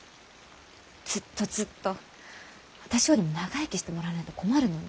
ずっとずっと私よりも長生きしてもらわないと困るのに。